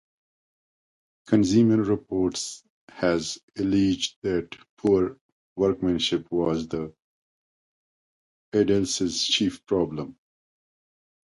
"Consumer Reports" has alleged that poor workmanship was the Edsel's chief problem.